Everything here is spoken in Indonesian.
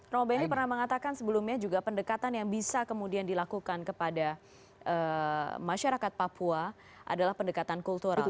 robehi pernah mengatakan sebelumnya juga pendekatan yang bisa kemudian dilakukan kepada masyarakat papua adalah pendekatan kultural